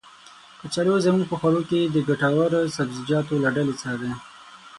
کچالو زمونږ په خواړو کې د ګټور سبزيجاتو له ډلې څخه دی.